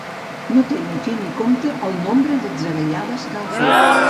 No té fi ni compte el nombre d'atzagaiades que ha fet.